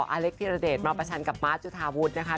อาเล็กที่ระเด็ดมาประชันกับมาร์ทจุธาวุทธ์นะคะ